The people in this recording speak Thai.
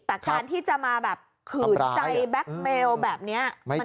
แต่การที่จะมาแบบขืนใจแบ็คเมลแบบนี้